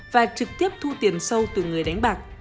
và trực tiếp thu tiền sâu từ người đánh bạc